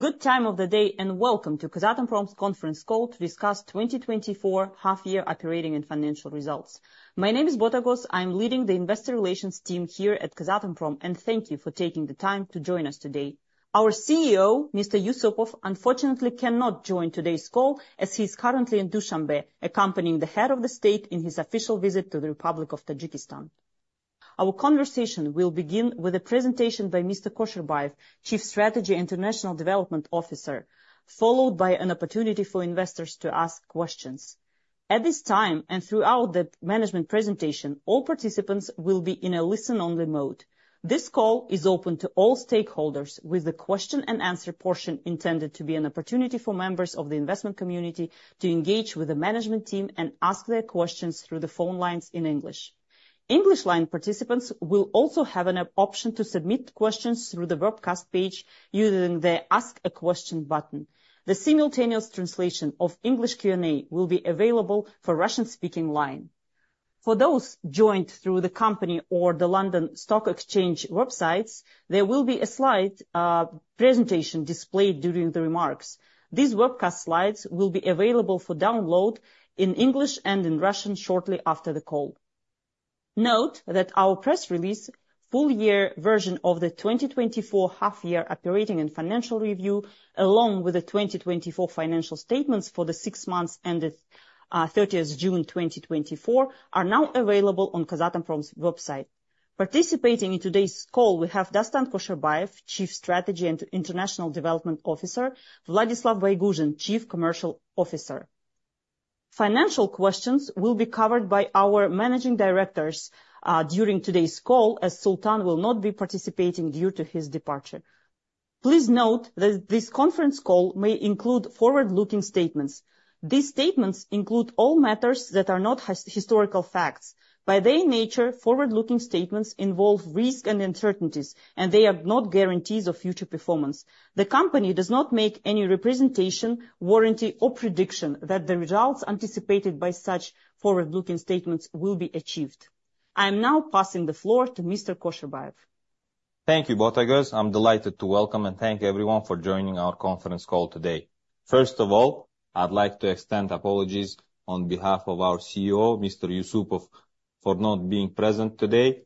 Good time of day, and welcome to Kazatomprom's conference call to discuss 2024 half-year operating and financial results. My name is Botagoz. I'm leading the investor relations team here at Kazatomprom, and thank you for taking the time to join us today. Our CEO, Mr. Yussupov, unfortunately cannot join today's call, as he's currently in Dushanbe, accompanying the head of state in his official visit to the Republic of Tajikistan. Our conversation will begin with a presentation by Mr. Kosherbayev, Chief Strategy International Development Officer, followed by an opportunity for investors to ask questions. At this time, and throughout the management presentation, all participants will be in a listen-only mode. This call is open to all stakeholders, with the question and answer portion intended to be an opportunity for members of the investment community to engage with the management team and ask their questions through the phone lines in English. English line participants will also have an option to submit questions through the webcast page using the Ask a Question button. The simultaneous translation of English Q&A will be available for Russian-speaking line. For those joined through the company or the London Stock Exchange websites, there will be a slide presentation displayed during the remarks. These webcast slides will be available for download in English and in Russian shortly after the call. Note that our press release full year version of the 2024 half year operating and financial review, along with the 2024 financial statements for the six months ended, thirtieth June 2024, are now available on Kazatomprom's website. Participating in today's call, we have Dastan Kosherbayev, Chief Strategy and International Development Officer, Vladislav Baiguzin, Chief Commercial Officer. Financial questions will be covered by our managing directors, during today's call, as Sultan will not be participating due to his departure. Please note that this conference call may include forward-looking statements. These statements include all matters that are not historical facts. By their nature, forward-looking statements involve risks and uncertainties, and they are not guarantees of future performance. The company does not make any representation, warranty, or prediction that the results anticipated by such forward-looking statements will be achieved. I am now passing the floor to Mr. Kosherbayev. Thank you, Botagoz. I'm delighted to welcome and thank everyone for joining our conference call today. First of all, I'd like to extend apologies on behalf of our CEO, Mr. Yussupov, for not being present today,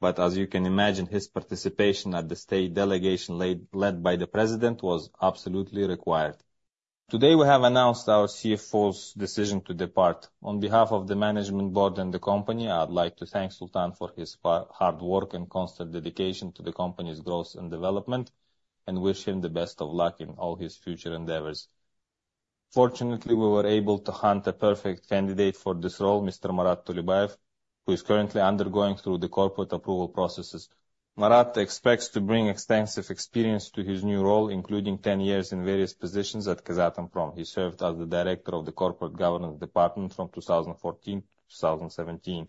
but as you can imagine, his participation at the state delegation led by the President was absolutely required. Today, we have announced our CFO's decision to depart. On behalf of the management board and the company, I'd like to thank Sultan for his hard work and constant dedication to the company's growth and development, and wish him the best of luck in all his future endeavors. Fortunately, we were able to hunt a perfect candidate for this role, Mr. Marat Tulebayev, who is currently undergoing through the corporate approval processes. Marat expects to bring extensive experience to his new role, including 10 years in various positions at Kazatomprom. He served as the Director of the Corporate Governance Department from 2014 to 2017,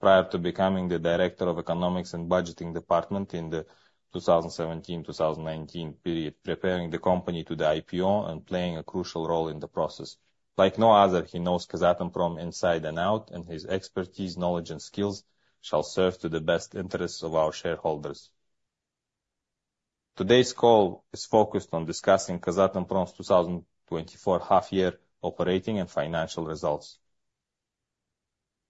prior to becoming the Director of Economics and Budgeting Department in the 2017 to 2019 period, preparing the company to the IPO and playing a crucial role in the process. Like no other, he knows Kazatomprom inside and out, and his expertise, knowledge, and skills shall serve to the best interests of our shareholders. Today's call is focused on discussing Kazatomprom's 2024 half-year operating and financial results.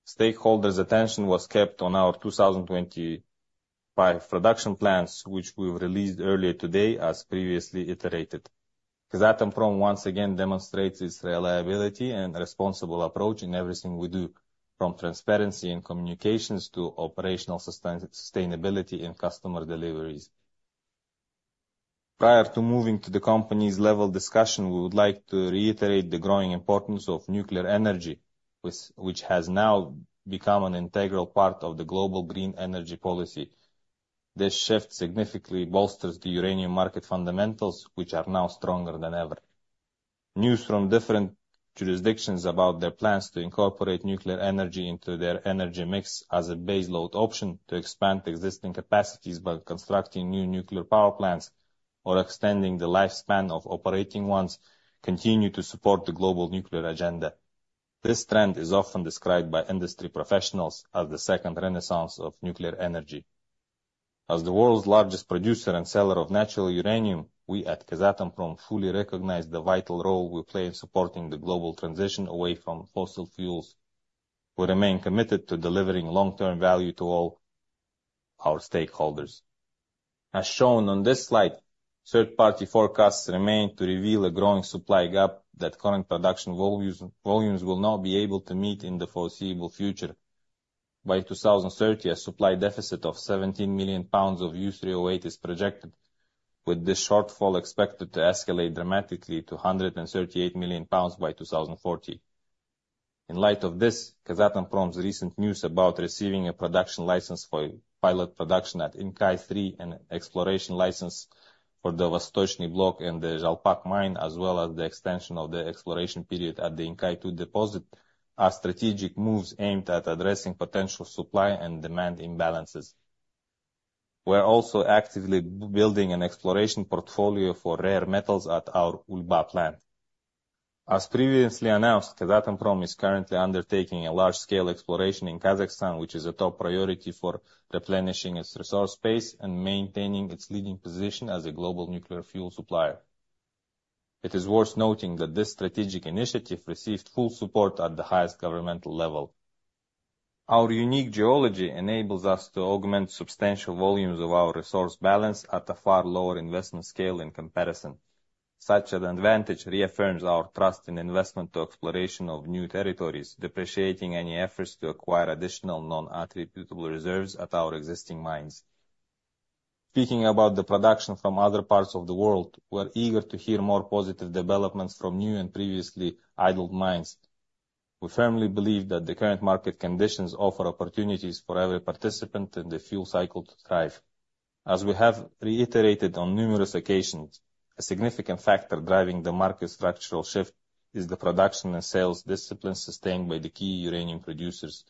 Stakeholders' attention was kept on our 2025 production plans, which we've released earlier today, as previously iterated. Kazatomprom once again demonstrates its reliability and responsible approach in everything we do, from transparency in communications to operational sustainability and customer deliveries. Prior to moving to the companies level discussion, we would like to reiterate the growing importance of nuclear energy, which has now become an integral part of the global green energy policy. This shift significantly bolsters the uranium market fundamentals, which are now stronger than ever. News from different jurisdictions about their plans to incorporate nuclear energy into their energy mix as a base load option to expand existing capacities by constructing new nuclear power plants or extending the lifespan of operating ones, continue to support the global nuclear agenda. This trend is often described by industry professionals as the second renaissance of nuclear energy. As the world's largest producer and seller of natural uranium, we at Kazatomprom fully recognize the vital role we play in supporting the global transition away from fossil fuels. We remain committed to delivering long-term value to all our stakeholders. As shown on this slide, third-party forecasts remain to reveal a growing supply gap that current production volumes will not be able to meet in the foreseeable future. By 2030, a supply deficit of 17,000,000 lbs of U3O8 is projected, with this shortfall expected to escalate dramatically to a 138,000,000 lbs by 2040. In light of this, Kazatomprom's recent news about receiving a production license for pilot production at Inkai three and exploration license for the Vostochny block and the Zhalpak Mine, as well as the extension of the exploration period at the Inkai two deposit, are strategic moves aimed at addressing potential supply and demand imbalances. We're also actively building an exploration portfolio for rare metals at our Ulba plant. As previously announced, Kazatomprom is currently undertaking a large-scale exploration in Kazakhstan, which is a top priority for replenishing its resource base and maintaining its leading position as a global nuclear fuel supplier. It is worth noting that this strategic initiative received full support at the highest governmental level. Our unique geology enables us to augment substantial volumes of our resource balance at a far lower investment scale in comparison. Such an advantage reaffirms our trust in investment to exploration of new territories, depreciating any efforts to acquire additional non-attributable reserves at our existing mines. Speaking about the production from other parts of the world, we're eager to hear more positive developments from new and previously idled mines. We firmly believe that the current market conditions offer opportunities for every participant in the fuel cycle to thrive. As we have reiterated on numerous occasions, a significant factor driving the market structural shift is the production and sales discipline sustained by the key uranium producers.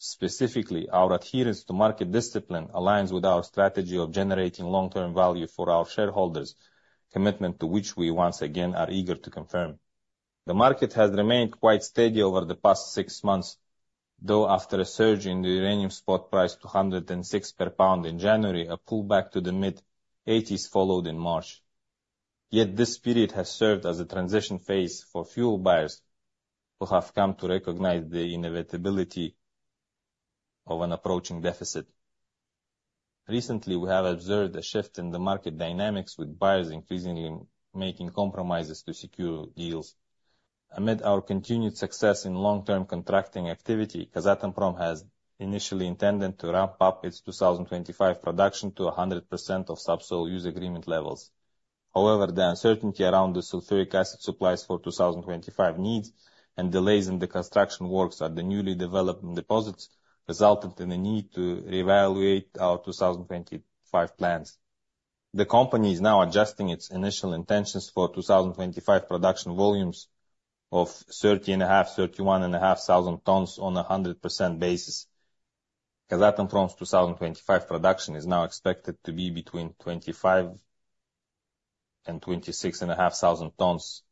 Specifically, our adherence to market discipline aligns with our strategy of generating long-term value for our shareholders, commitment to which we once again are eager to confirm. The market has remained quite steady over the past six months, though, after a surge in the uranium spot price to $106 per pound in January, a pullback to the mid-$80s followed in March. Yet this period has served as a transition phase for fuel buyers, who have come to recognize the inevitability of an approaching deficit. Recently, we have observed a shift in the market dynamics, with buyers increasingly making compromises to secure deals. Amid our continued success in long-term contracting activity, Kazatomprom has initially intended to ramp up its 2025 production to 100% of subsoil use agreement levels. However, the uncertainty around the sulfuric acid supplies for 2025 needs and delays in the construction works at the newly developed deposits resulted in the need to reevaluate our 2025 plans. The company is now adjusting its initial intentions for2025 production volumes of thirty and a half, thirty-one and a half thousand tons on a 100% basis. Kazatomprom's 2025 production is now expected to be between twenty-five and twenty-six a half thousand tons,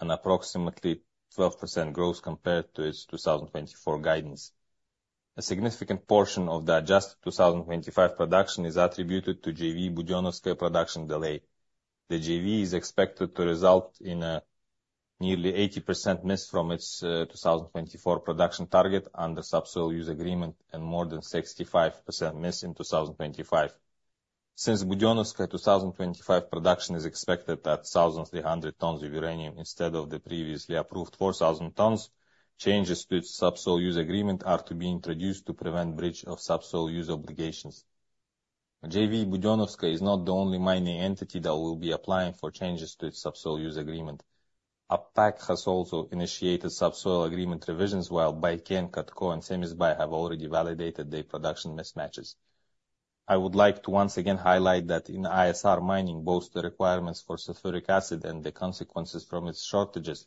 an approximately 12% growth compared to its 2024 guidance. A significant portion of the adjusted 2025 production is attributed to JV Budenovskoye production delay. The JV is expected to result in a nearly 80% miss from its 2024 production target under subsoil use agreement and more than 65% miss in 2025. Since Budenovskoye 2025 production is expected at 1,300 tons of uranium instead of the previously approved 4,000 tons, changes to its subsoil use agreement are to be introduced to prevent breach of subsoil use obligations. JV Budenovskoye is not the only mining entity that will be applying for changes to its subsoil use agreement. Appak has also initiated subsoil agreement revisions, while Baiken-U, KATCO and Semizbay-U have already validated their production mismatches. I would like to once again highlight that in ISR mining, both the requirements for sulfuric acid and the consequences from its shortages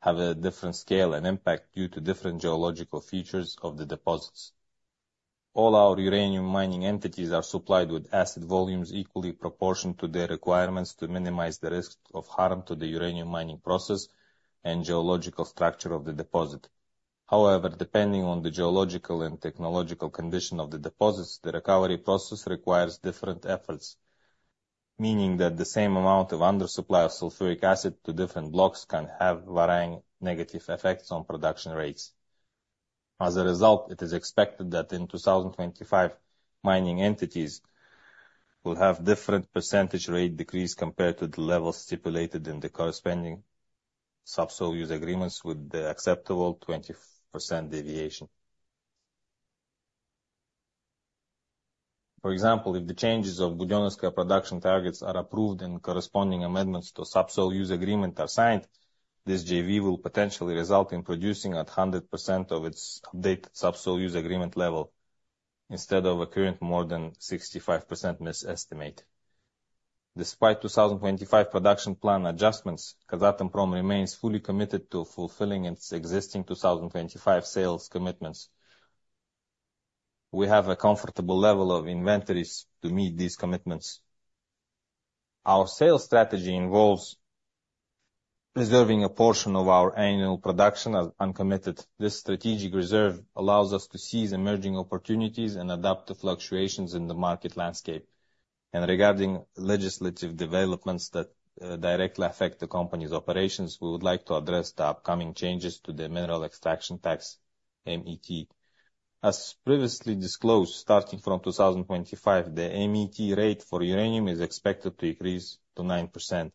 have a different scale and impact due to different geological features of the deposits. All our uranium mining entities are supplied with acid volumes equally proportioned to their requirements to minimize the risk of harm to the uranium mining process and geological structure of the deposit. However, depending on the geological and technological condition of the deposits, the recovery process requires different efforts, meaning that the same amount of undersupply of sulfuric acid to different blocks can have varying negative effects on production rates. As a result, it is expected that in 2025, mining entities will have different percentage rate decreases compared to the levels stipulated in the corresponding subsoil use agreements, with the acceptable 20% deviation. For example, if the changes of Budenovskoye production targets are approved and corresponding amendments to subsoil use agreement are signed, this JV will potentially result in producing at 100% of its stated subsoil use agreement level, instead of a current more than 65% of its estimate. Despite 2025 production plan adjustments, Kazatomprom remains fully committed to fulfilling its existing 2025 sales commitments. We have a comfortable level of inventories to meet these commitments. Our sales strategy involves reserving a portion of our annual production as uncommitted. This strategic reserve allows us to seize emerging opportunities and adapt to fluctuations in the market landscape. Regarding legislative developments that directly affect the company's operations, we would like to address the upcoming changes to the mineral extraction tax, MET. As previously disclosed, starting from 2025, the MET rate for uranium is expected to increase to 9%,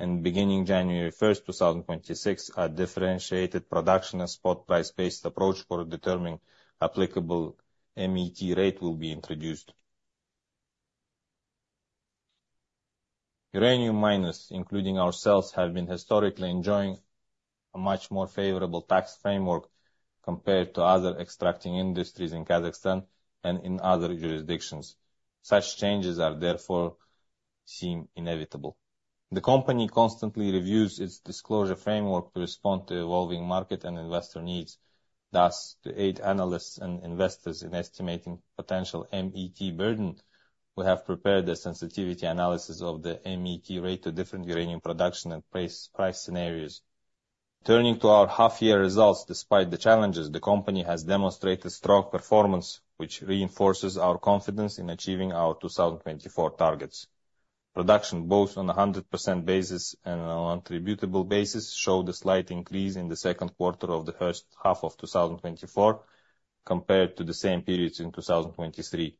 and beginning January 1st, 2026, a differentiated production and spot price-based approach for determining applicable MET rate will be introduced. Uranium miners, including ourselves, have been historically enjoying a much more favorable tax framework compared to other extracting industries in Kazakhstan and in other jurisdictions. Such changes therefore seem inevitable. The company constantly reviews its disclosure framework to respond to evolving market and investor needs. Thus, to aid analysts and investors in estimating potential MET burden, we have prepared a sensitivity analysis of the MET rate to different uranium production and price scenarios. Turning to our half-year results, despite the challenges, the company has demonstrated strong performance, which reinforces our confidence in achieving our 2024 targets. Production, both on a hundred percent basis and on attributable basis, showed a slight increase in the Q2 of the first half of 2024, compared to the same periods in 2023.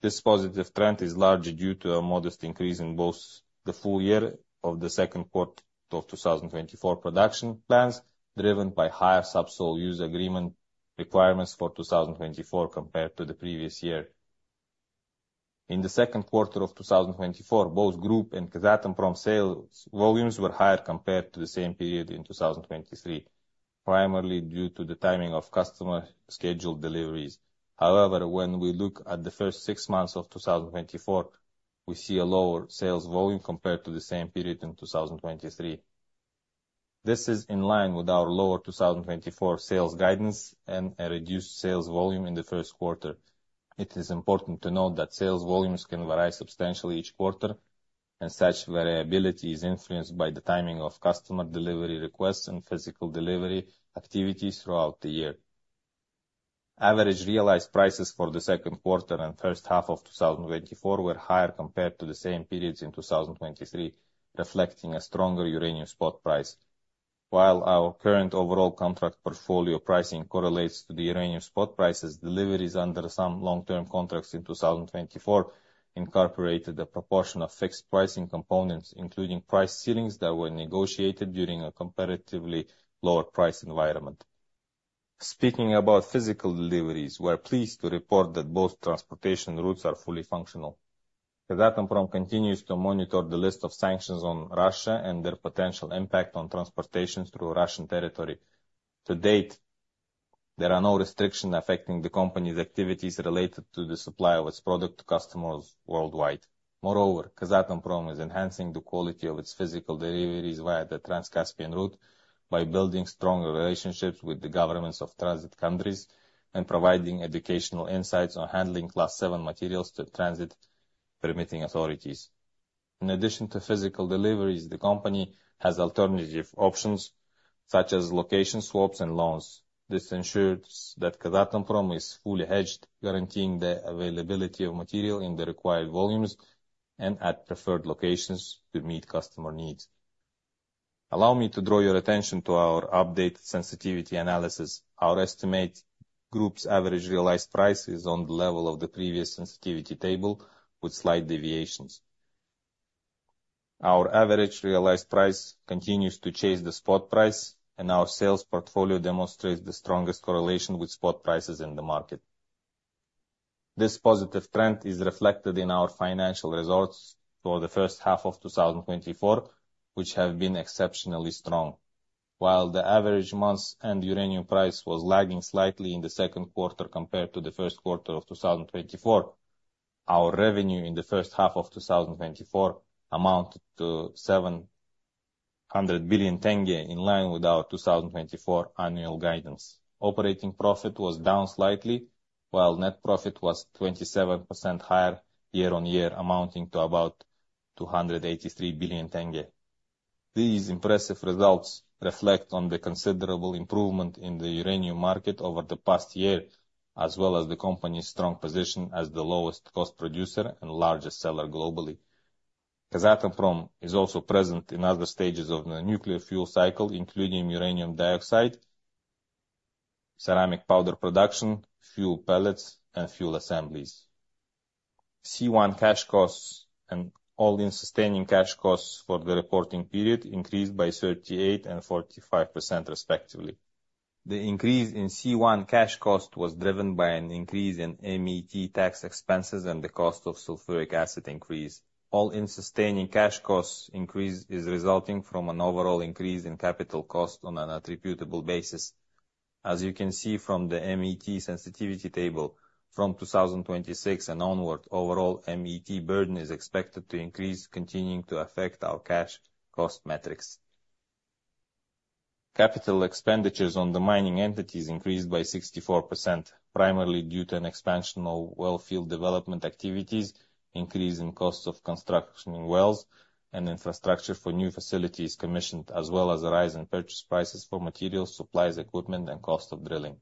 This positive trend is largely due to a modest increase in both the full year of the Q2 of 2024 production plans, driven by higher subsoil use agreement requirements for 2024 compared to the previous year. In the Q2 of 2024, both Group and Kazatomprom sales volumes were higher compared to the same period in 2023, primarily due to the timing of customer scheduled deliveries. However, when we look at the first six months of 2024, we see a lower sales volume compared to the same period in 2023. This is in line with our lower 2024 sales guidance and a reduced sales volume in the Q1. It is important to note that sales volumes can vary substantially each quarter, and such variability is influenced by the timing of customer delivery requests and physical delivery activities throughout the year. Average realized prices for the Q2 and first half of 2024 were higher compared to the same periods in 2023, reflecting a stronger uranium spot price. While our current overall contract portfolio pricing correlates to the uranium spot prices, deliveries under some long-term contracts in 2024 incorporated a proportion of fixed pricing components, including price ceilings that were negotiated during a comparatively lower price environment. Speaking about physical deliveries, we're pleased to report that both transportation routes are fully functional. Kazatomprom continues to monitor the list of sanctions on Russia and their potential impact on transportation through Russian territory. To date, there are no restrictions affecting the company's activities related to the supply of its product to customers worldwide. Moreover, Kazatomprom is enhancing the quality of its physical deliveries via the Trans-Caspian route by building stronger relationships with the governments of transit countries and providing educational insights on handling Class 7 materials to transit permitting authorities. In addition to physical deliveries, the company has alternative options, such as location swaps and loans. This ensures that Kazatomprom is fully hedged, guaranteeing the availability of material in the required volumes and at preferred locations to meet customer needs. Allow me to draw your attention to our updated sensitivity analysis. Our estimate group's average realized price is on the level of the previous sensitivity table, with slight deviations. Our average realized price continues to chase the spot price, and our sales portfolio demonstrates the strongest correlation with spot prices in the market. This positive trend is reflected in our financial results for the first half of 2024, which have been exceptionally strong. While the average monthly uranium price was lagging slightly in the Q2 compared to the Q1 of 2024, our revenue in the first half of 2024 amounted to KZT 700 billion, in line with our 2024 annual guidance. Operating profit was down slightly, while net profit was 27% higher year-on-year, amounting to about KZT 283 billion tenge. These impressive results reflect on the considerable improvement in the uranium market over the past year, as well as the company's strong position as the lowest cost producer and largest seller globally. Kazatomprom is also present in other stages of the nuclear fuel cycle, including uranium dioxide, ceramic powder production, fuel pellets, and fuel assemblies. C1 cash costs and all-in sustaining cash costs for the reporting period increased by 38% and 45%, respectively. The increase in C1 cash cost was driven by an increase in MET tax expenses and the cost of sulfuric acid increase. All-in sustaining cash costs increase is resulting from an overall increase in capital cost on an attributable basis. As you can see from the MET sensitivity table, from 2026 and onward, overall MET burden is expected to increase, continuing to affect our cash cost metrics. Capital expenditures on the mining entities increased by 64%, primarily due to an expansion of well field development activities, increase in costs of construction in wells, and infrastructure for new facilities commissioned, as well as a rise in purchase prices for materials, supplies, equipment, and cost of drilling.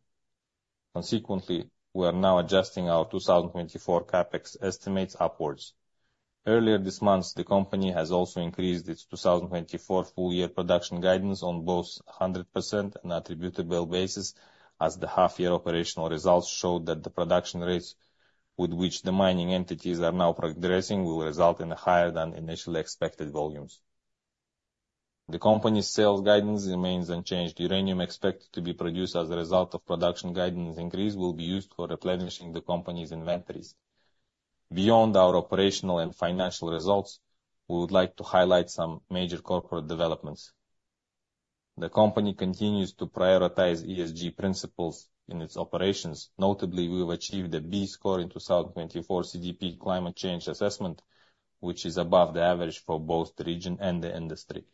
Consequently, we are now adjusting our 2024 CapEx estimates upwards. Earlier this month, the company has also increased its 2024 full-year production guidance on both 100% and attributable basis, as the half-year operational results show that the production rates with which the mining entities are now progressing will result in higher than initially expected volumes. The company's sales guidance remains unchanged. Uranium expected to be produced as a result of production guidance increase will be used for replenishing the company's inventories. Beyond our operational and financial results, we would like to highlight some major corporate developments. The company continues to prioritize ESG principles in its operations. Notably, we have achieved a B score in 2024 CDP Climate Change Assessment, which is above the average for both the region and the industry.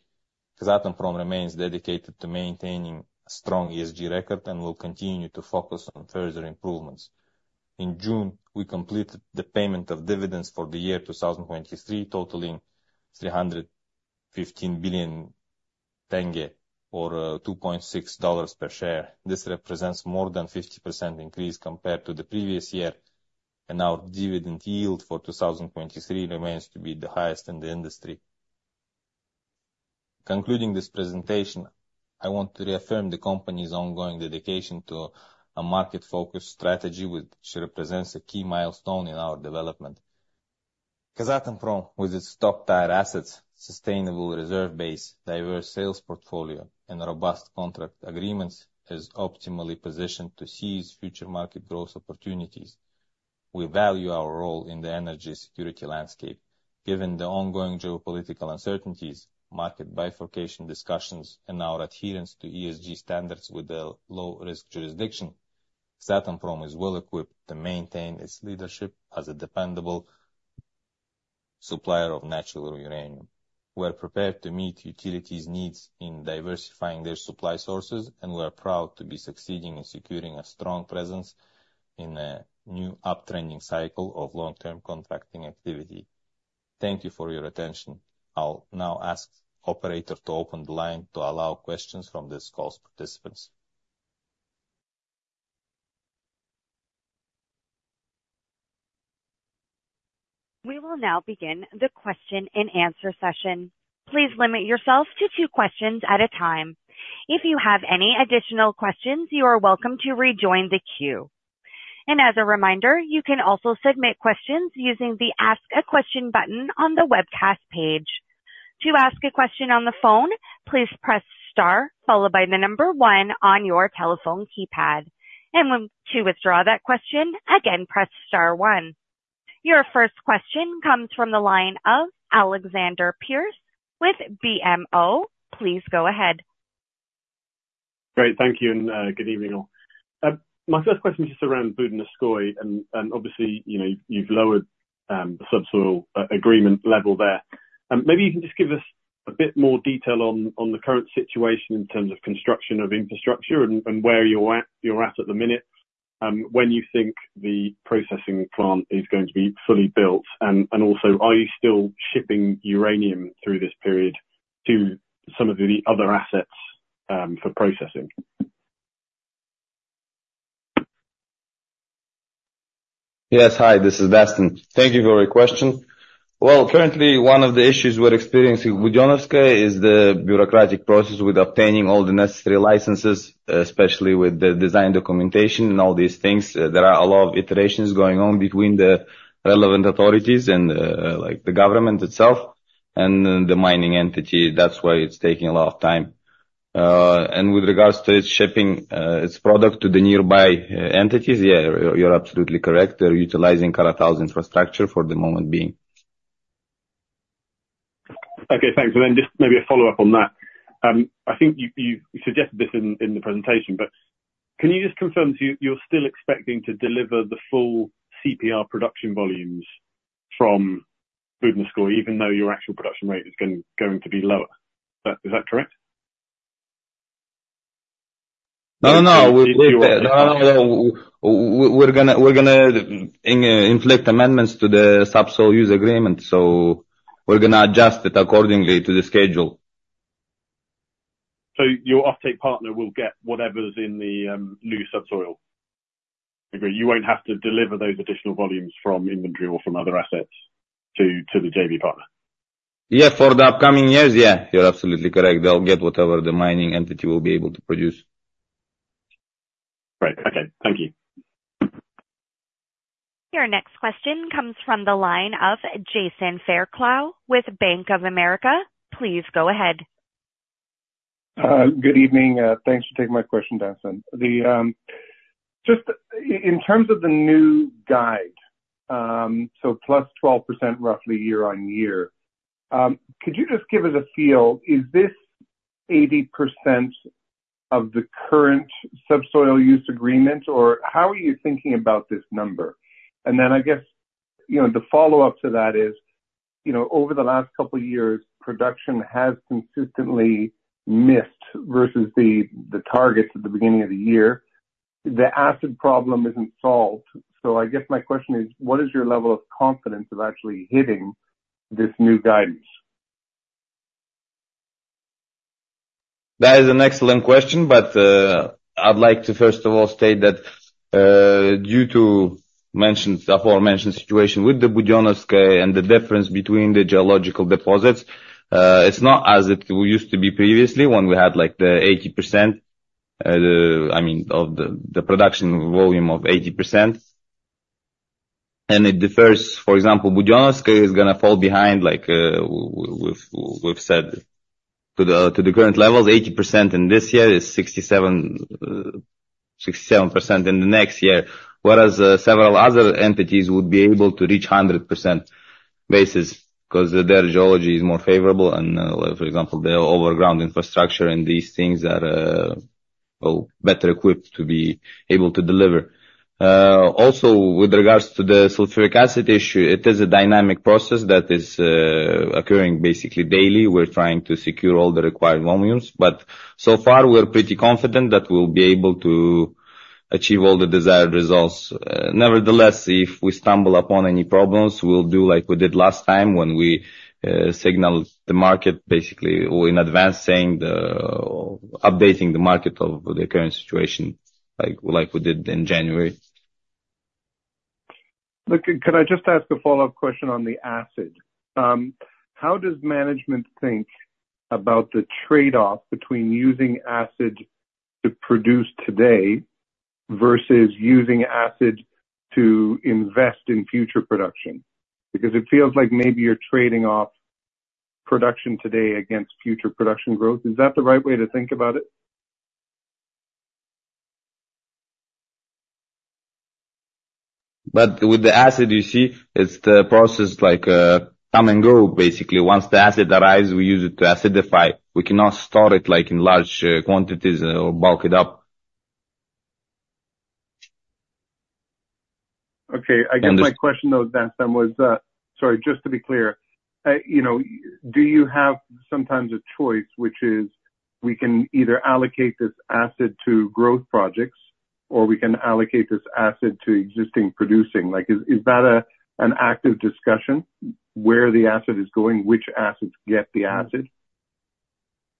Kazatomprom remains dedicated to maintaining a strong ESG record and will continue to focus on further improvements. In June, we completed the payment of dividends for the year 2023, totaling KZT 315 billion, or $2.6 per share. This represents more than 50% increase compared to the previous year, and our dividend yield for 2023 remains to be the highest in the industry. Concluding this presentation, I want to reaffirm the company's ongoing dedication to a market-focused strategy, which represents a key milestone in our development. Kazatomprom, with its top-tier assets, sustainable reserve base, diverse sales portfolio, and robust contract agreements, is optimally positioned to seize future market growth opportunities. We value our role in the energy security landscape. Given the ongoing geopolitical uncertainties, market bifurcation discussions, and our adherence to ESG standards with a low-risk jurisdiction, Kazatomprom is well-equipped to maintain its leadership as a dependable supplier of natural uranium. We are prepared to meet utilities' needs in diversifying their supply sources, and we are proud to be succeeding in securing a strong presence in a new up trending cycle of long-term contracting activity. Thank you for your attention. I'll now ask operator to open the line to allow questions from this call's participants. We will now begin the question and answer session. Please limit yourself to two questions at a time. If you have any additional questions, you are welcome to rejoin the queue. And as a reminder, you can also submit questions using the Ask a Question button on the webcast page. To ask a question on the phone, please press star followed by the number 1 on your telephone keypad. And when to withdraw that question, again, press star 1. Your first question comes from the line of Alexander Pearce with BMO. Please go ahead. Great. Thank you, and, good evening, all. My first question is just around Budenovskoye, and obviously, you know, you've lowered the subsoil agreement level there. Maybe you can just give us a bit more detail on the current situation in terms of construction of infrastructure and where you're at the minute, when you think the processing plant is going to be fully built, and also, are you still shipping uranium through this period to some of the other assets for processing? Yes. Hi, this is Dastan. Thank you for your question. Well, currently, one of the issues we're experiencing with Budenovskoye is the bureaucratic process with obtaining all the necessary licenses, especially with the design documentation and all these things. There are a lot of iterations going on between the relevant authorities and, like, the government itself and then the mining entity. That's why it's taking a lot of time. And with regards to its shipping, its product to the nearby, entities, yeah, you're, you're absolutely correct. They're utilizing Karatau's infrastructure for the moment being. Okay, thanks. And then just maybe a follow-up on that. I think you suggested this in the presentation, but can you just confirm to me you're still expecting to deliver the full CPR production volumes from Budenovskoye, even though your actual production rate is going to be lower? Is that correct? No, no, no. We're gonna implement amendments to the subsoil use agreement, so we're gonna adjust it accordingly to the schedule. So your offtake partner will get whatever's in the new subsoil? Okay, you won't have to deliver those additional volumes from inventory or from other assets to the JV partner. Yes, for the upcoming years, yeah, you're absolutely correct. They'll get whatever the mining entity will be able to produce. Great. Okay. Thank you. Your next question comes from the line of Jason Fairclough with Bank of America. Please go ahead. Good evening. Thanks for taking my question, Dastan. Then, just in terms of the new guide, so plus 12% roughly year on year, could you just give us a feel, is this 80% of the current subsoil use agreement, or how are you thinking about this number? And then, I guess, you know, the follow-up to that is, you know, over the last couple years, production has consistently missed versus the targets at the beginning of the year. The acid problem isn't solved. So I guess my question is, what is your level of confidence of actually hitting this new guidance? That is an excellent question, but, I'd like to first of all state that, due to mentioned, aforementioned situation with the Budenovskoye and the difference between the geological deposits, it's not as it we used to be previously when we had, like, the 80%, the-- I mean, of the, the production volume of 80%. And it differs, for example, Budenovskoye is gonna fall behind, like, we've said to the, to the current levels, 80% in this year is 67%, 67% in the next year. Whereas, several other entities would be able to reach 100% basis, cause their geology is more favorable and, for example, the overground infrastructure and these things are, Well, better equipped to be able to deliver. Also, with regards to the sulfuric acid issue, it is a dynamic process that is occurring basically daily. We're trying to secure all the required volumes, but so far, we're pretty confident that we'll be able to achieve all the desired results. Nevertheless, if we stumble upon any problems, we'll do like we did last time when we signaled the market, basically, or in advance, saying the-- or updating the market of the current situation, like, like we did in January. Look, could I just ask a follow-up question on the acid? How does management think about the trade-off between using acid to produce today versus using acid to invest in future production? Because it feels like maybe you're trading off production today against future production growth. Is that the right way to think about it? But with the acid, you see, it's the process, like, come and go, basically. Once the acid arrives, we use it to acidify. We cannot store it, like, in large quantities or bulk it up. Okay. And the- I guess my question, though, then, was, Sorry, just to be clear, you know, do you have sometimes a choice, which is, we can either allocate this acid to growth projects, or we can allocate this acid to existing producing? Like, is that a, an active discussion, where the acid is going, which acids get the acid?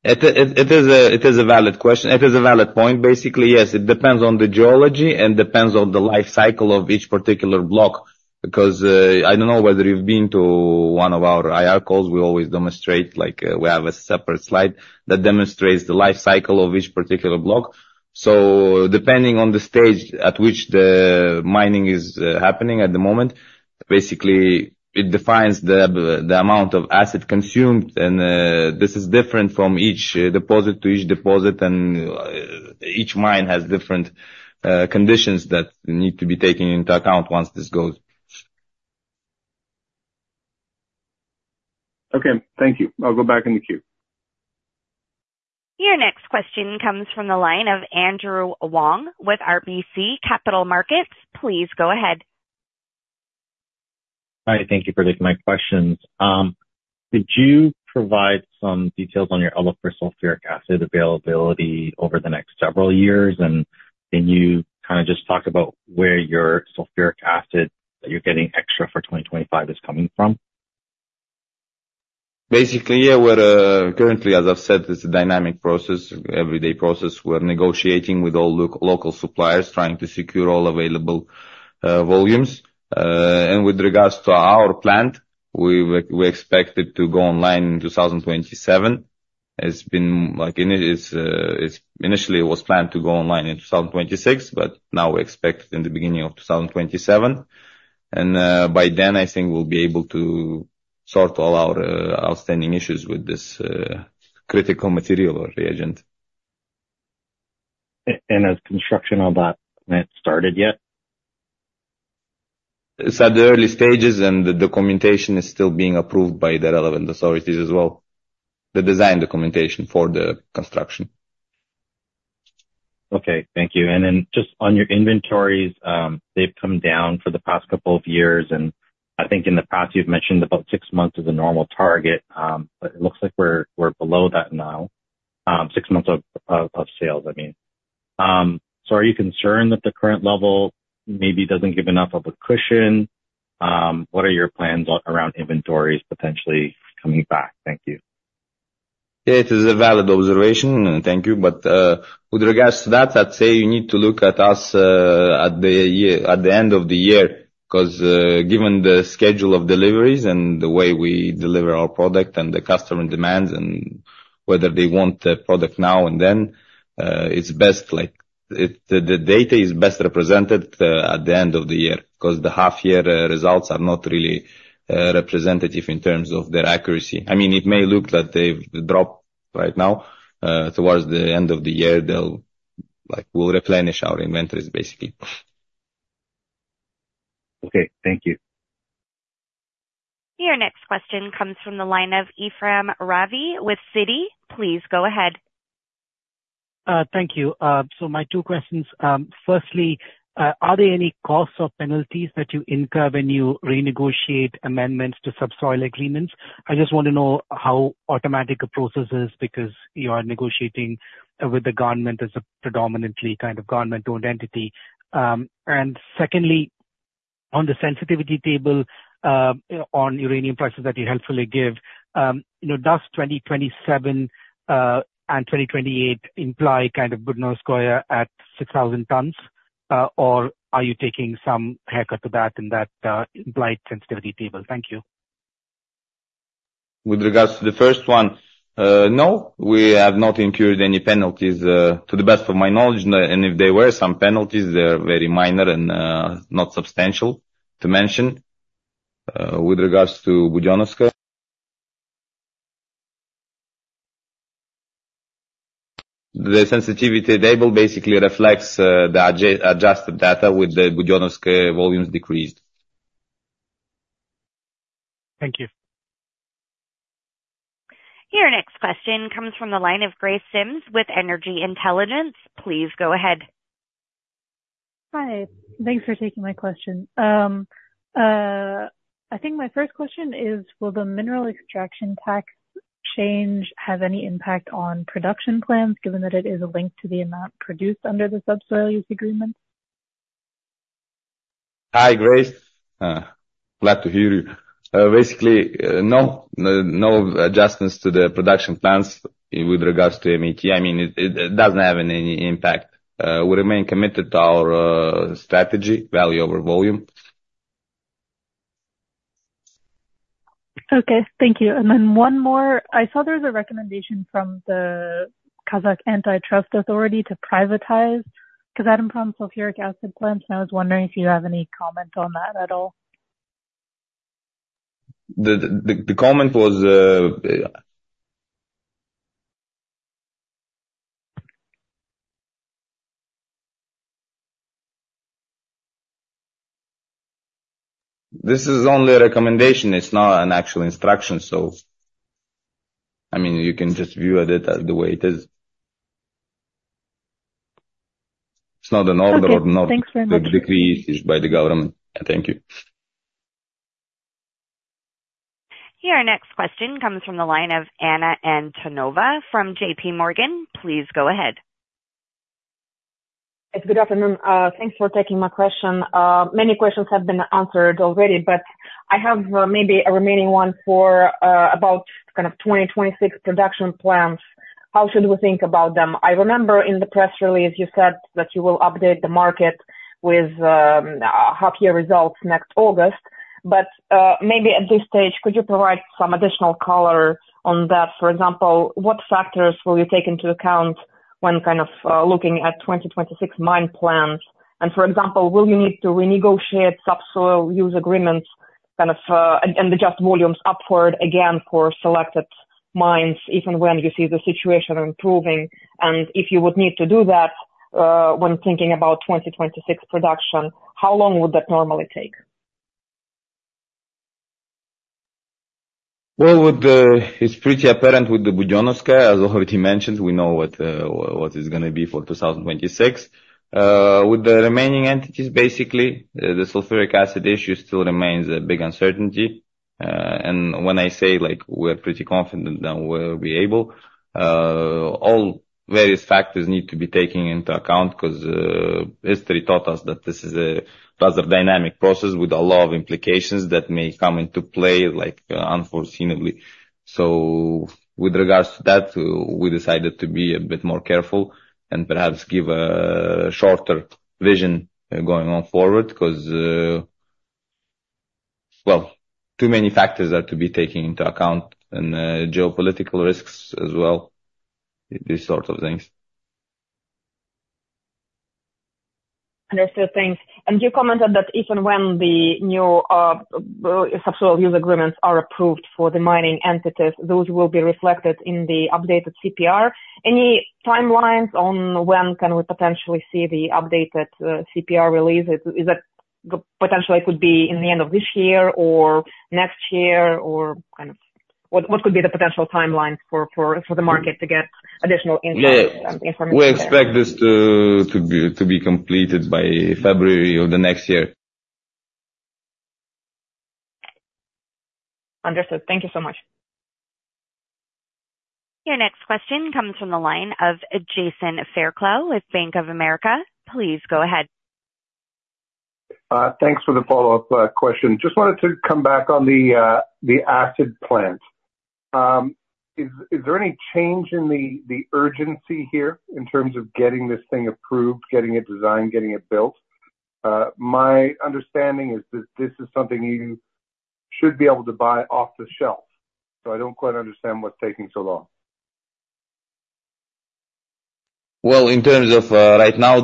It is a valid question. It is a valid point, basically. Yes, it depends on the geology, and depends on the life cycle of each particular block, because I don't know whether you've been to one of our IR calls, we always demonstrate, like, we have a separate slide that demonstrates the life cycle of each particular block. So depending on the stage at which the mining is happening at the moment, basically, it defines the amount of acid consumed, and this is different from each deposit to each deposit, and each mine has different conditions that need to be taken into account once this goes. Okay, thank you. I'll go back in the queue. Your next question comes from the line of Andrew Wong with RBC Capital Markets. Please go ahead. Hi, thank you for taking my questions. Could you provide some details on your outlook for sulfuric acid availability over the next several years? And can you kind of just talk about where your sulfuric acid that you're getting extra for 2025 is coming from? Basically, yeah, we're currently, as I've said, it's a dynamic process, everyday process. We're negotiating with all local suppliers, trying to secure all available volumes. And with regards to our plant, we expect it to go online in 2027. It's been like in, it initially was planned to go online in 2026, but now we expect in the beginning of 2027. And by then, I think we'll be able to sort all our outstanding issues with this critical material or reagent. Has construction on that plant started yet? It's at the early stages, and the documentation is still being approved by the relevant authorities as well, the design documentation for the construction. Okay, thank you. And then just on your inventories, they've come down for the past couple of years, and I think in the past, you've mentioned about six months is the normal target, but it looks like we're below that now. Six months of sales, I mean. So are you concerned that the current level maybe doesn't give enough of a cushion? What are your plans around inventories potentially coming back? Thank you. It is a valid observation, and thank you. But with regards to that, I'd say you need to look at us at the end of the year, cause given the schedule of deliveries and the way we deliver our product and the customer demands and whether they want the product now and then, it's best, like, the data is best represented at the end of the year, cause the half year results are not really representative in terms of their accuracy. I mean, it may look like they've dropped right now, towards the end of the year, they'll, like, we'll replenish our inventories, basically. Okay, thank you. Your next question comes from the line of Ephrem Ravi with Citi. Please go ahead. Thank you. So my two questions, firstly, are there any costs or penalties that you incur when you renegotiate amendments to subsoil agreements? I just want to know how automatic a process is, because you are negotiating with the government as a predominantly kind of government-owned entity. And secondly, on the sensitivity table on uranium prices that you helpfully give, you know, does 2027 and 2028 imply kind of Budenovskoye at 6,000 tons? Or are you taking some haircut to that in that implied sensitivity table? Thank you. With regards to the first one, no, we have not incurred any penalties, to the best of my knowledge, and if there were some penalties, they're very minor and not substantial to mention. With regards to Budenovskoye... The sensitivity table basically reflects the adjusted data with the Budenovskoye volumes decreased. Thank you. Your next question comes from the line of Grace Symes with Energy Intelligence. Please go ahead. Hi. Thanks for taking my question. I think my first question is, will the Mineral Extraction Tax change have any impact on production plans, given that it is linked to the amount produced under the subsoil use agreement? Hi, Grace. Glad to hear you. Basically, no, no, no adjustments to the production plans with regards to MET. I mean, it doesn't have any impact. We remain committed to our strategy, value over volume. Okay. Thank you. And then one more. I saw there was a recommendation from the Kazakh Antitrust Authority to privatize Kazatomprom sulfuric acid plants, and I was wondering if you have any comment on that at all. The comment was. This is only a recommendation, it's not an actual instruction, so I mean, you can just view it as the way it is. It's not an order or- Okay. Thanks very much. The decree is by the government. Thank you. Your next question comes from the line of Anna Antonova from J.P. Morgan. Please go ahead. Good afternoon. Thanks for taking my question. Many questions have been answered already, but I have maybe a remaining one for about kind of 2026 production plans. How should we think about them? I remember in the press release, you said that you will update the market with half-year results next August, but maybe at this stage, could you provide some additional color on that? For example, what factors will you take into account when kind of looking at 2026 mine plans? And for example, will you need to renegotiate subsoil use agreements kind of and adjust volumes upward again for selected mines, even when you see the situation improving? And if you would need to do that when thinking about 2026 production, how long would that normally take? It's pretty apparent with the Inkai, as I already mentioned. We know what is gonna be for 2026. With the remaining entities, basically, the sulfuric acid issue still remains a big uncertainty. When I say, like, we're pretty confident that we'll be able, all various factors need to be taken into account, cause history taught us that this is a rather dynamic process with a lot of implications that may come into play, like, unforeseeably. With regards to that, we decided to be a bit more careful and perhaps give a shorter vision going on forward, because too many factors are to be taken into account and geopolitical risks as well, these sorts of things. Understood. Thanks. And you commented that even when the new subsoil use agreements are approved for the mining entities, those will be reflected in the updated CPR. Any timelines on when can we potentially see the updated CPR release? Is that potentially could be in the end of this year or next year, or kind of... What could be the potential timeline for the market to get additional insight and information? We expect this to be completed by February of the next year. Understood. Thank you so much. Your next question comes from the line of Jason Fairclough with Bank of America. Please go ahead. Thanks for the follow-up question. Just wanted to come back on the acid plant. Is there any change in the urgency here in terms of getting this thing approved, getting it designed, getting it built? My understanding is that this is something you should be able to buy off the shelf, so I don't quite understand what's taking so long. In terms of right now,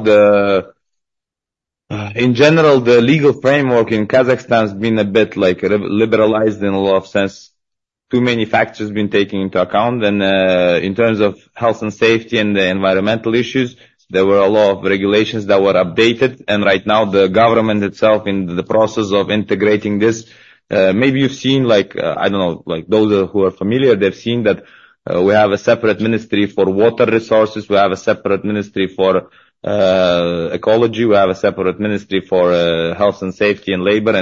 in general, the legal framework in Kazakhstan has been a bit, like, liberalized in a lot of sense. Too many factors been taken into account. In terms of health and safety and the environmental issues, there were a lot of regulations that were updated, and right now the government itself in the process of integrating this. Maybe you've seen, like, I don't know, like, those who are familiar, they've seen that we have a separate ministry for water resources, we have a separate ministry for ecology, we have a separate ministry for health and safety and labor,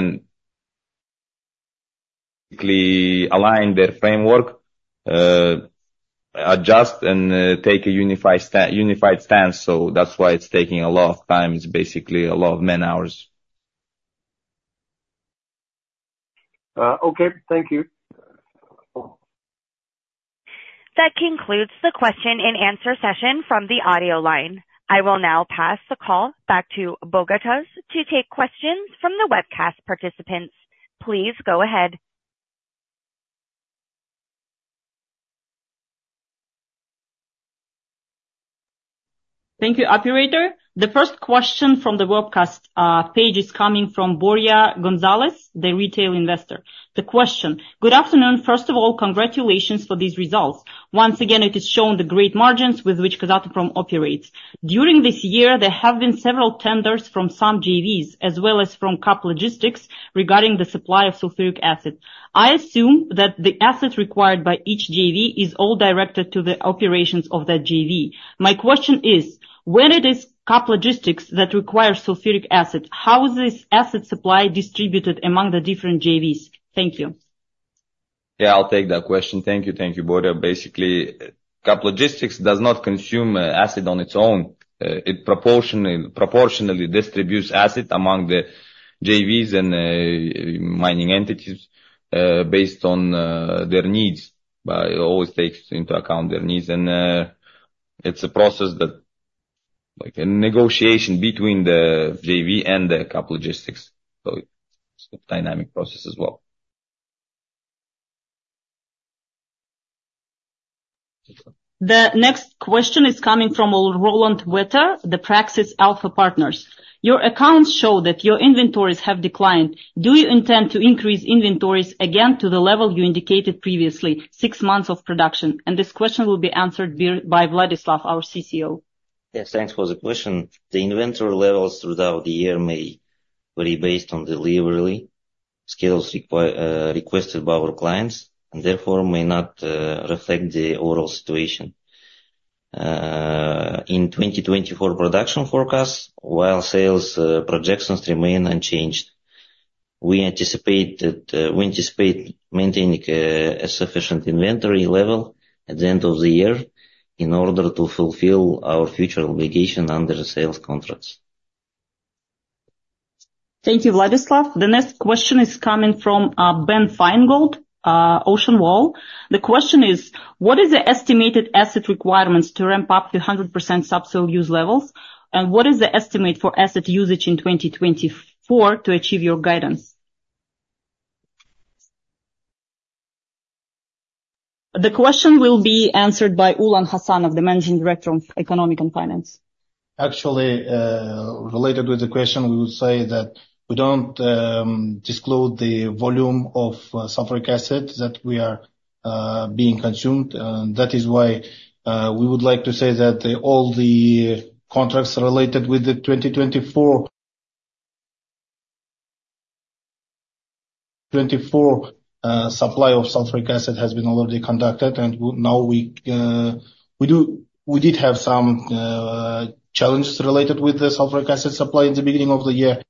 and quickly align their framework, adjust and take a unified stance. That's why it's taking a lot of time, it's basically a lot of man-hours. Okay. Thank you. That concludes the question-and-answer session from the audio line. I will now pass the call back to Botagoz to take questions from the webcast participants. Please go ahead. Thank you, operator. The first question from the webcast page is coming from Borja Gonzalez, the retail investor. The question: Good afternoon. First of all, congratulations for these results. Once again, it has shown the great margins with which Kazatomprom operates. During this year, there have been several tenders from some JVs, as well as from KAP Logistics regarding the supply of sulfuric acid. I assume that the assets required by each JV is all directed to the operations of that JV. My question is, when it is KAP Logistics that requires sulfuric acid, how is this asset supply distributed among the different JVs? Thank you. Yeah, I'll take that question. Thank you, thank you, Boria. Basically, KAP Logistics does not consume acid on its own. It proportionally distributes acid among the JVs and mining entities based on their needs, but it always takes into account their needs, and it's a process that, like, a negotiation between the JV and the KAP Logistics. So it's a dynamic process as well. The next question is coming from Roland Vetter of Praxis Alpha Partners. Your accounts show that your inventories have declined. Do you intend to increase inventories again to the level you indicated previously, six months of production? This question will be answered by Vladislav, our CCO. Yes, thanks for the question. The inventory levels throughout the year may vary based on delivery schedules requested by our clients, and therefore may not reflect the overall situation. In 2024 production forecast, while sales projections remain unchanged, we anticipate maintaining a sufficient inventory level at the end of the year in order to fulfill our future obligation under the sales contracts. Thank you, Vladislav. The next question is coming from Ben Finegold, Ocean Wall. The question is, what is the estimated asset requirements to ramp up to 100% subsoil use levels? And what is the estimate for asset usage in 2024 to achieve your guidance? The question will be answered by Ulan Khassanov, the Managing Director of Economics and Finance. Actually, related to the question, we would say that we don't disclose the volume of sulfuric acid that we are being consumed, and that is why we would like to say that all the contracts related with the 2024 supply of sulfuric acid has been already conducted, and now we do... We did have some challenges related with the sulfuric acid supply in the beginning of the year.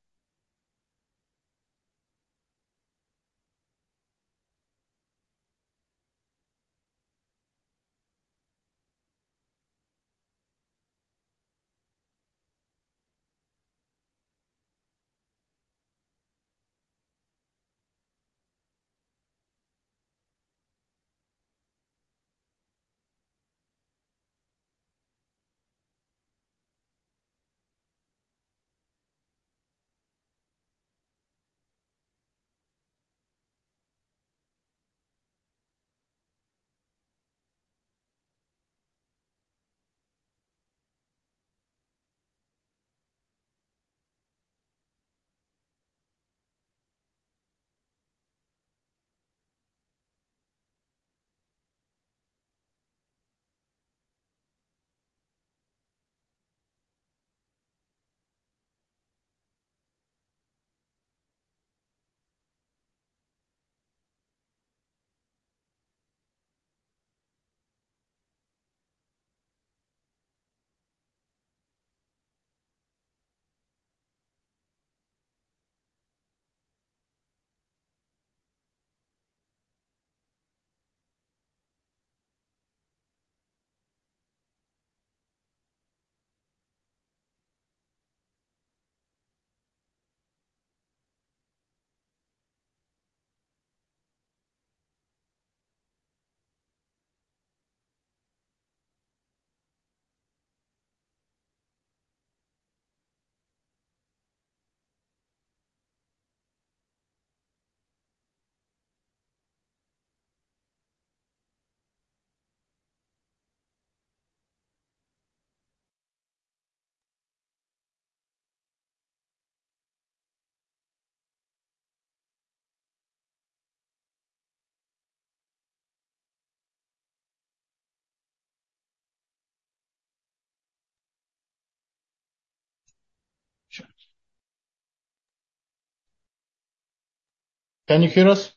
Can you hear us?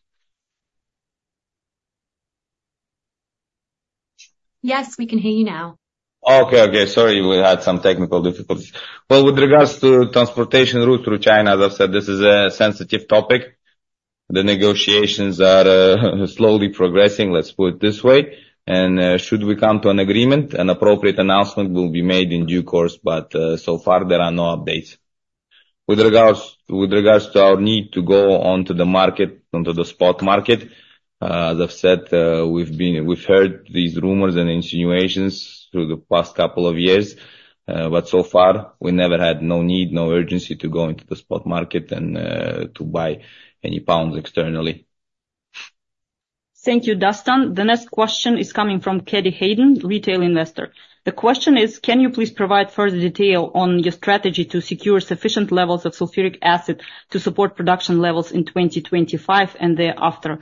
Yes, we can hear you now. Okay, okay. Sorry, we had some technical difficulties. With regards to transportation route through China, as I've said, this is a sensitive topic. The negotiations are slowly progressing, let's put it this way, and should we come to an agreement, an appropriate announcement will be made in due course, but so far, there are no updates. With regards to our need to go onto the market, onto the spot market, as I've said, we've heard these rumors and insinuations through the past couple of years, but so far, we never had no need, no urgency to go into the spot market and to buy any pounds externally. Thank you, Dastan. The next question is coming from Katie Hayden, retail investor. The question is: can you please provide further detail on your strategy to secure sufficient levels of sulfuric acid to support production levels in 2025 and thereafter?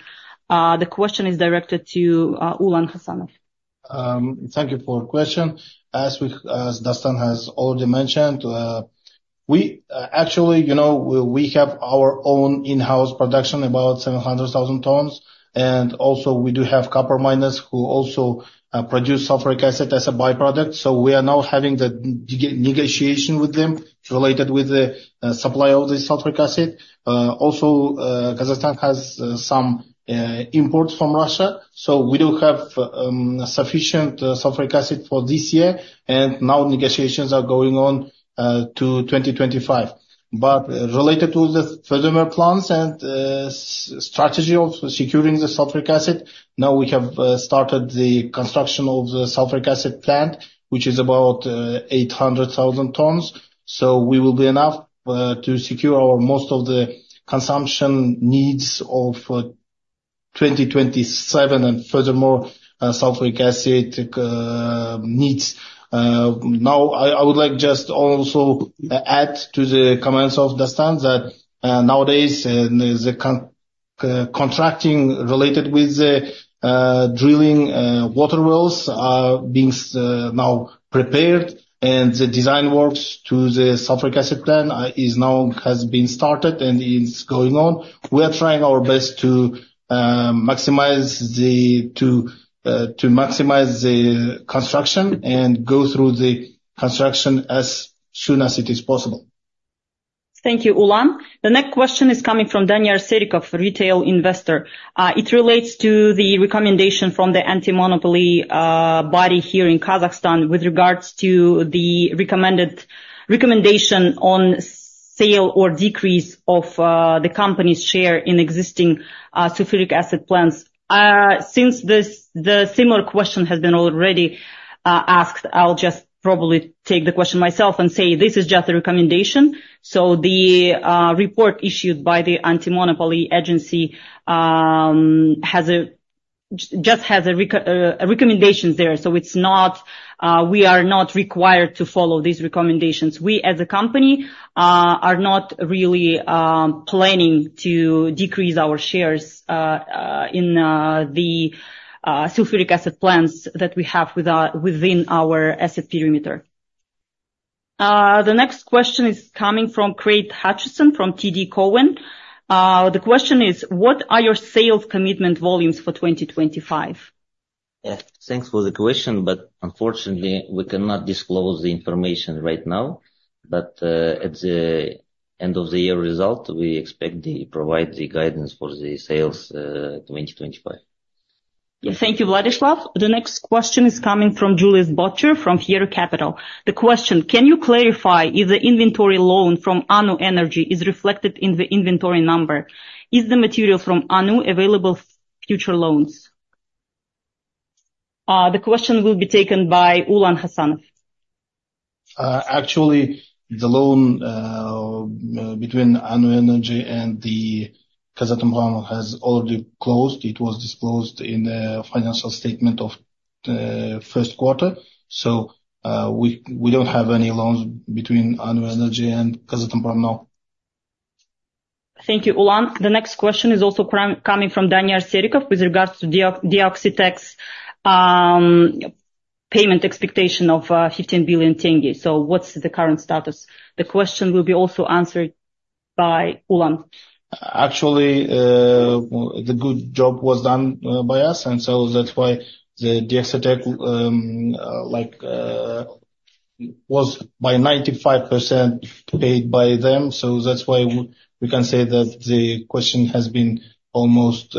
The question is directed to Ulan Khassanov. Thank you for your question. As we, as Dastan has already mentioned, we, actually, you know, we have our own in-house production, about seven hundred thousand tons, and also we do have copper miners who also produce sulfuric acid as a by-product. So we are now having the negotiation with them related with the supply of the sulfuric acid. Also, Kazakhstan has some imports from Russia, so we do have sufficient sulfuric acid for this year, and now negotiations are going on to 2025. But related to the furthermore plans and strategy of securing the sulfuric acid, now we have started the construction of the sulfuric acid plant, which is about eight hundred thousand tons. We will be enough to secure our most of the consumption needs of 2027, and furthermore, sulfuric acid needs. Now, I would like just also add to the comments of Dastan that nowadays the contracting related with the drilling water wells are being now prepared, and the design works to the sulfuric acid plant has been started and is going on. We are trying our best to maximize the construction and go through the construction as soon as it is possible. Thank you, Ulan. The next question is coming from Daniyar Serikov, retail investor. It relates to the recommendation from the anti-monopoly body here in Kazakhstan with regards to the recommendation on sale or decrease of the company's share in existing sulfuric acid plants. Since the similar question has been already asked, I'll just probably take the question myself and say this is just a recommendation. So the report issued by the anti-monopoly agency has just a recommendation there. So it's not. We are not required to follow these recommendations. We, as a company, are not really planning to decrease our shares in the sulfuric acid plants that we have within our asset perimeter. The next question is coming from Craig Hutchison, from TD Cowen. The question is: What are your sales commitment volumes for 2025? Thanks for the question, but unfortunately, we cannot disclose the information right now. But, at the end of the year result, we expect to provide the guidance for the sales, 2025. Thank you, Vladislav. The next question is coming from Julian Butcher, from Fiera Capital. The question: Can you clarify if the inventory loan from ANU Energy is reflected in the inventory number? Is the material from ANU available future loans? The question will be taken by Ulan Khassanov. Actually, the loan between ANU Energy and Kazatomprom has already closed. It was disclosed in the financial statement of Q1, so we don't have any loans between ANU Energy and Kazatomprom now. Thank you, Ulan. The next question is also coming from Daniyar Serikov with regards to Dioxitek. Payment expectation of KZT 15 billion. So what's the current status? The question will be also answered by Ulan. Actually, the good job was done by us, and so that's why the Dioxitek, like, was by 95% paid by them. So that's why we can say that the question has been almost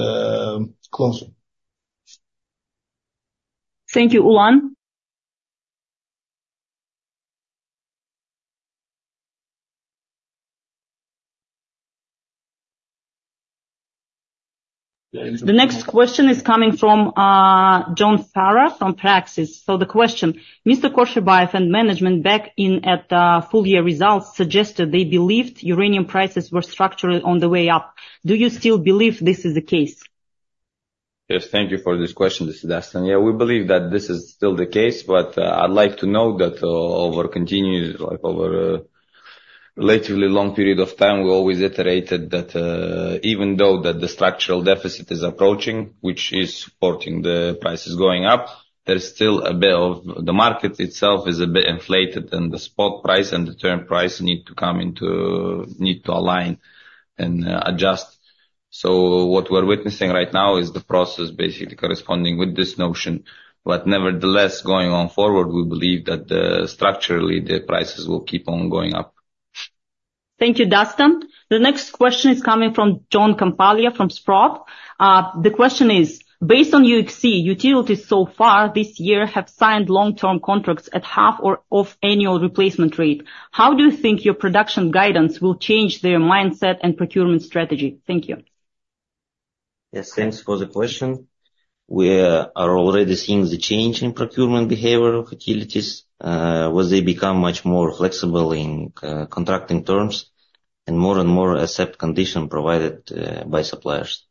closed. Thank you, Ulan. The next question is coming from John Farrah from Praxis. So the question: Mr. Kosherbayev and management, back in, at the full year results, suggested they believed uranium prices were structurally on the way up. Do you still believe this is the case? Yes, thank you for this question, this is Dastan. Yeah, we believe that this is still the case, but, I'd like to note that, over continued, like, over a relatively long period of time, we always iterated that, even though that the structural deficit is approaching, which is supporting the prices going up, there is still a bit of... The market itself is a bit inflated, and the spot price and the term price need to come into- need to align and, adjust. So what we're witnessing right now is the process basically corresponding with this notion, but nevertheless, going on forward, we believe that, structurally, the prices will keep on going up. Thank you, Dastan. The next question is coming from John Ciampaglia from Sprott. The question is: Based on UxC, utilities so far this year have signed long-term contracts at half or less of annual replacement rate. How do you think your production guidance will change their mindset and procurement strategy? Thank you. Yes, thanks for the question. We are already seeing the change in procurement behavior of utilities, where they become much more flexible in contracting terms.... and more and more accept condition provided by suppliers.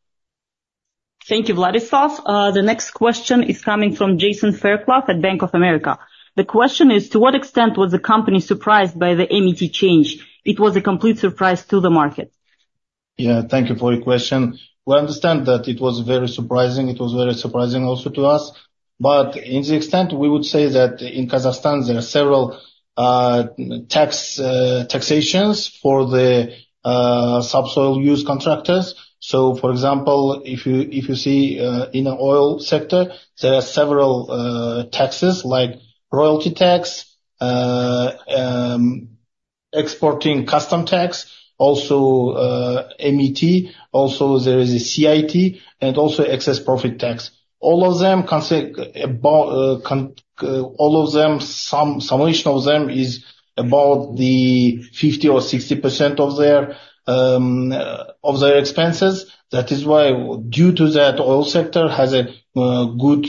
Thank you, Vladislav. The next question is coming from Jason Fairclough at Bank of America. The question is: To what extent was the company surprised by the MET change? It was a complete surprise to the market. Yeah, thank you for your question. We understand that it was very surprising. It was very surprising also to us, but in the extent, we would say that in Kazakhstan, there are several taxations for the subsoil use contractors. So for example, if you see in the oil sector, there are several taxes like royalty tax, exporting custom tax, also MET, also there is a CIT and also excess profit tax. All of them, summation of them is about 50% or 60% of their expenses. That is why, due to that, oil sector has a good,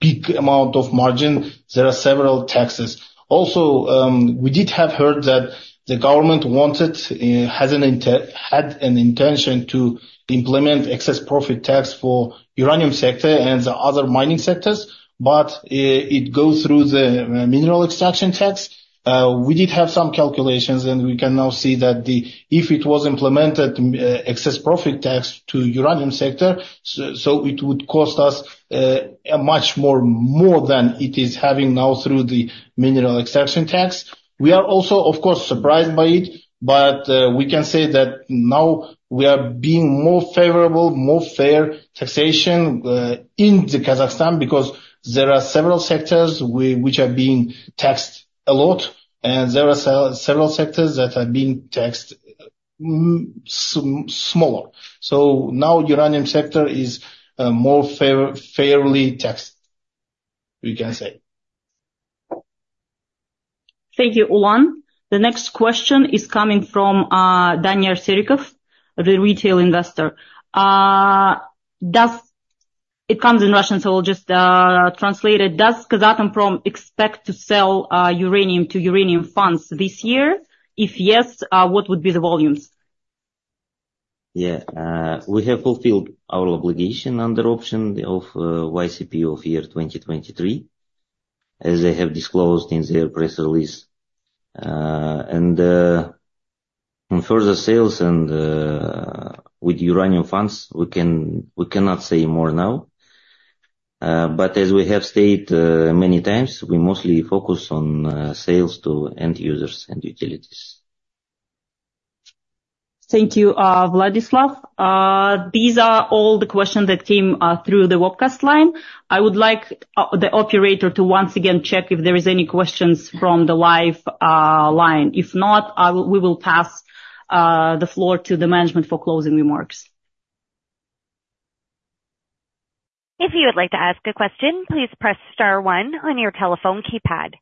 big amount of margin. There are several taxes. Also, we did have heard that the government wanted, has an had an intention to implement excess profit tax for uranium sector and the other mining sectors, but it goes through the mineral extraction tax. We did have some calculations, and we can now see that if it was implemented, excess profit tax to uranium sector, so it would cost us a much more than it is having now through the mineral extraction tax. We are also, of course, surprised by it, but we can say that now we are being more favorable, more fair taxation in Kazakhstan because there are several sectors which are being taxed a lot, and there are several sectors that are being taxed smaller. So now uranium sector is more fair, fairly taxed, we can say. Thank you, Ulan. The next question is coming from Daniel Serikov, the retail investor. It comes in Russian, so I'll just translate it. Does Kazatomprom expect to sell uranium to uranium funds this year? If yes, what would be the volumes? Yeah. We have fulfilled our obligation under option of YCP of year 2023, as they have disclosed in their press release. And, on further sales and with uranium funds, we can, we cannot say more now, but as we have stated many times, we mostly focus on sales to end users and utilities. Thank you, Vladislav. These are all the questions that came through the webcast line. I would like the operator to once again check if there is any questions from the live line. If not, I will, we will pass the floor to the management for closing remarks. If you would like to ask a question, please press star 1 on your telephone keypad.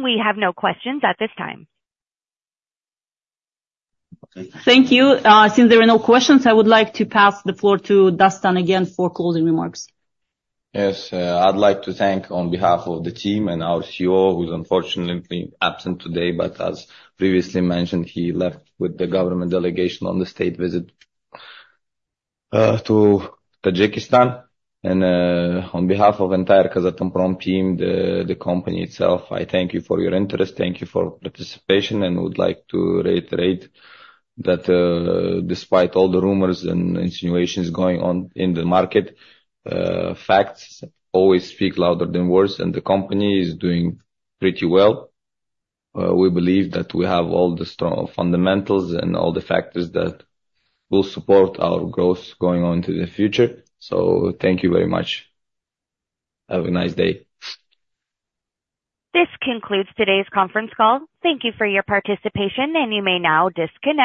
We have no questions at this time. Okay. Thank you. Since there are no questions, I would like to pass the floor to Dastan again for closing remarks. Yes, I'd like to thank on behalf of the team and our CEO, who's unfortunately been absent today, but as previously mentioned, he left with the government delegation on the state visit to Tajikistan. And, on behalf of entire Kazatomprom team, the company itself, I thank you for your interest, thank you for participation, and would like to reiterate that, despite all the rumors and insinuations going on in the market, facts always speak louder than words, and the company is doing pretty well. We believe that we have all the strong fundamentals and all the factors that will support our growth going on to the future. So, thank you very much. Have a nice day. This concludes today's conference call. Thank you for your participation, and you may now disconnect.